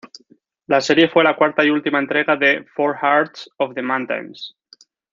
La serie fue la cuarta y última entrega de "Four Hearts of the Mountains".